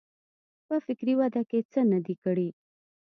په فکري وده کې څه نه دي کړي.